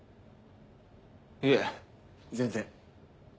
いえ全然。